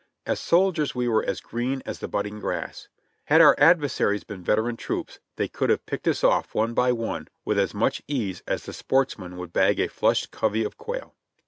As soldiers we were as green as the budding grass; had our adversaries been veteran troops they could have picked us off one by one with as much ease as a sportsman would bag a flushed covey of quail.